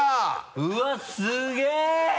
うわすげぇ！